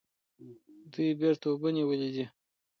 دوی بیرته اوبه نیولې دي.